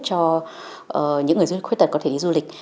cho những người dân khuyết tật có thể đi du lịch